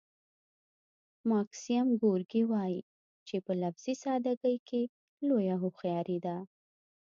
ماکسیم ګورکي وايي چې په لفظي ساده ګۍ کې لویه هوښیاري ده